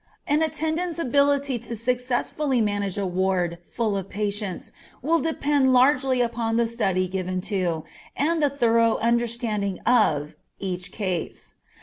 An attendant's ability to successfully manage a ward full of patients will depend largely upon the study given to, and the thorough understanding of, each case.